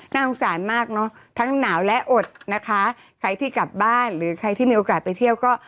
สงสารมากเนอะทั้งหนาวและอดนะคะใครที่กลับบ้านหรือใครที่มีโอกาสไปเที่ยวก็